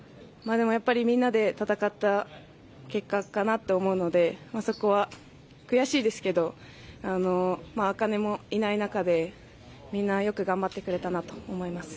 みんなで戦った結果かなと思うのでそこは悔しいですけど茜もいない中でみんなよく頑張ってくれたなと思います。